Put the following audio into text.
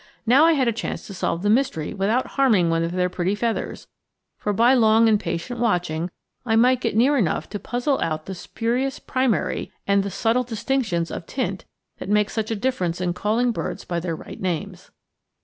Now I had a chance to solve the mystery without harming one of their pretty feathers, for by long and patient watching I might get near enough to puzzle out the 'spurious primary' and the subtle distinctions of tint that make such a difference in calling birds by their right names.